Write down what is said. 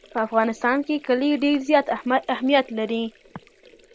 په افغانستان کې کلي ډېر زیات اهمیت لري.